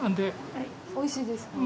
おいしいですか？